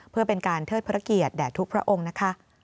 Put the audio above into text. เพื่อเป็นการเทิดพระเกียรติแด่ทุกพระองค์นะคะ